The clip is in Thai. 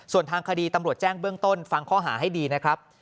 ส่วนทางคดีตำรวจแจ้งเบื้องต้นฟังข้อหาให้ดีนะครับ